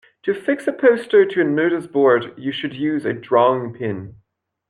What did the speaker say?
To fix a poster to a noticeboard you should use a drawing pin